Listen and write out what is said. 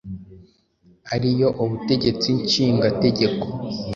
ari yo Ubutegetsi Nshingategeko,